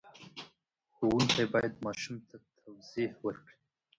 ښوونکی باید ماشوم ته توضیح ورکړي.